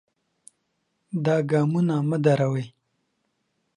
دا ګامونه مه دروئ.